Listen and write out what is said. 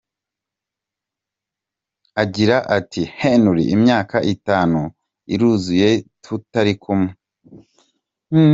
Agira ati “Henry, imyaka itanu iruzuye tutari kumwe.